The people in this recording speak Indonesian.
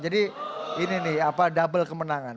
jadi ini nih double kemenangan